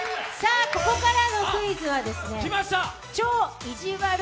ここからのクイズは超いじわる